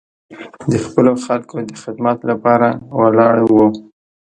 د خپلو خلکو د خدمت لپاره ولاړ و.